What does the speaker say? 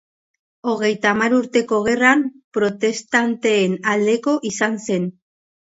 Hogeita Hamar Urteko Gerran protestanteen aldeko izan zen.